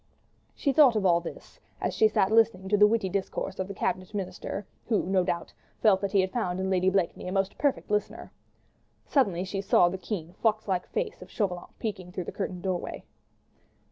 She thought of all this, as she sat listening to the witty discourse of the Cabinet Minister, who, no doubt, felt that he had found in Lady Blakeney a most perfect listener. Suddenly she saw the keen, fox like face of Chauvelin peeping through the curtained doorway.